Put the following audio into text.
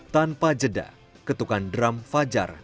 tanpa jeda ketukan drum fajar